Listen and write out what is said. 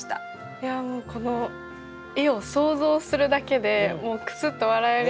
いやもうこの絵を想像するだけでもうクスッと笑えるような。